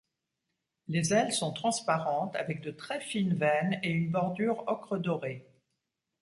Les ailes sont transparentes avec de très fines veines et une bordure ocre doré.